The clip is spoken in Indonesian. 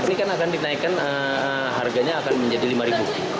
ini kan akan dinaikkan harganya akan menjadi rp lima